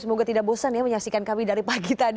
semoga tidak bosan ya menyaksikan kami dari pagi tadi